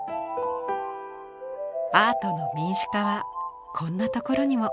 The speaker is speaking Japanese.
アートの民主化はこんなところにも。